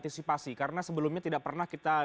apa artisipasi karena sebelumnya tidak pernah kita